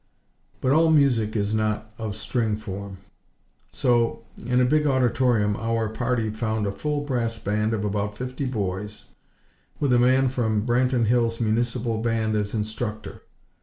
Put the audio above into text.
But all music is not of string form; so, in a big auditorium, our party found a full brass band of about fifty boys, with a man from Branton Hills' Municipal Band as instructor.